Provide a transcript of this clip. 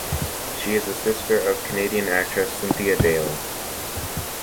She is the sister of Canadian actress Cynthia Dale.